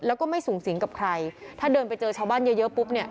แล้วก็ไม่สูงสิงกับใครถ้าเดินไปเจอชาวบ้านเยอะเยอะปุ๊บเนี่ย